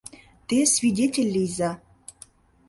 Те свидетель лийза!